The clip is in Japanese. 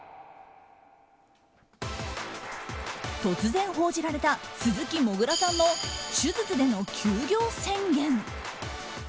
突然報じられた鈴木もぐらさんの手術での休業宣言。